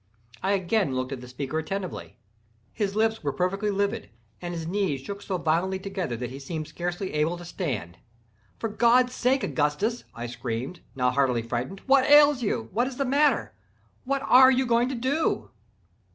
I again looked at the speaker attentively. His lips were perfectly livid, and his knees shook so violently together that he seemed scarcely able to stand. "For God's sake, Augustus," I screamed, now heartily frightened, "what ails you?—what is the matter?—what are you going to do?"